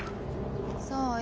そうよ。